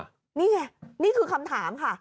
ไม่ต้องแบบนี้ไงนี่คือคำถามค่ะ